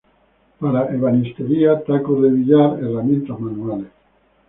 Para ebanistería, tacos de billar, herramientas manuales.